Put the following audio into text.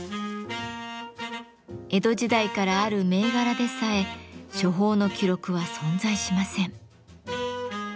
江戸時代からある銘柄でさえ処方の記録は存在しません。